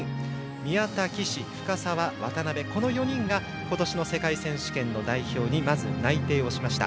宮田、岸、深沢、渡部この４人が今年の世界選手権の代表にまず内定をしました。